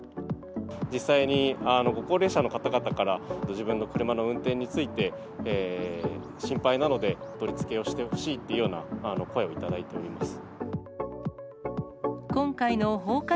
実際にご高齢者の方々から、ご自分の車の運転について心配なので、取り付けをしてほしいというような声も頂いております。